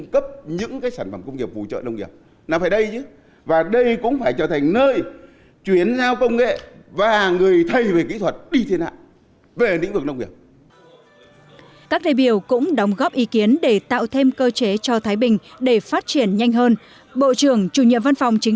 các thành viên trong đoàn công tác của thủ tướng đã căn cứ vào nội dung mà lãnh đạo tỉnh nêu lên để thay đổi nhanh chóng hơn